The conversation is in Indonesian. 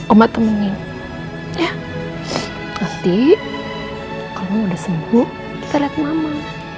omah temenin ya nanti kalau udah sembuh kita lihat mama